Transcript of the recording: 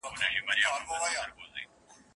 سلامي سول که امیرکه اردلیان وه